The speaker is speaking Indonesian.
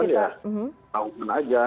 mau dilakukan ya lakukan aja